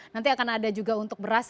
nanti akan ada juga untuk beras